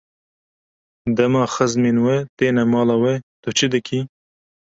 Dema xizmên we têne mala we, tu çi dikî?